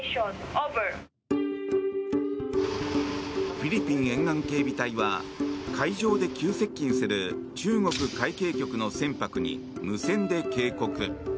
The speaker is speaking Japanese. フィリピン沿岸警備隊は海上で急接近する中国海警局の船舶に無線で警告。